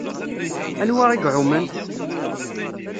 Anwa i iɛummen?